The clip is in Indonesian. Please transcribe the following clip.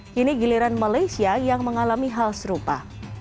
kini giliran malaysia yang mengalami hal serupa